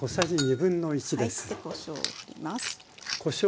でこしょうを振ります。